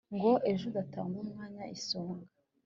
Ngo ejo udatangwa umwanya i Songa